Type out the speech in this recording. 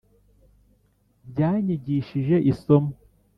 byanyigishije isomo